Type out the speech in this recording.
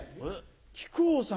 木久扇さん